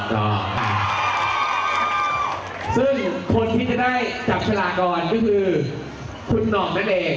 อเจมส์สิ่งคนที่จะได้จับชราตรก่อนก็คือคุณหนอกนั่นเอง